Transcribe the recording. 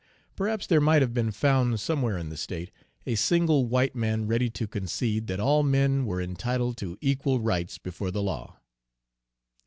Perhaps there might have been found, somewhere in the state, a single white man ready to concede that all men were entitled to equal rights before the law.